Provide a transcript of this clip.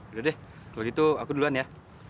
udah deh kalau gitu aku duluan ya